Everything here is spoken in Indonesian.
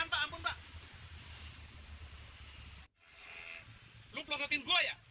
ah dengan mata saya belok bang